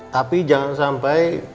tapi jangan sampai